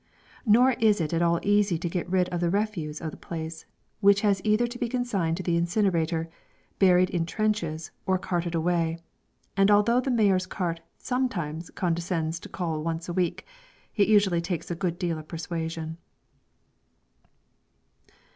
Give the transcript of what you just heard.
Nor is it at all easy to get rid of the refuse of the place, which has either to be consigned to the incinerator, buried in trenches, or carted away; and although the mayor's cart sometimes condescends to call once a week, it usually takes a good deal of persuasion.